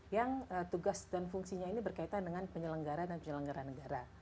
yang tugas dan fungsinya ini berkaitan dengan penyelenggara dan penyelenggara negara